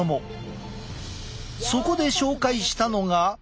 そこで紹介したのが。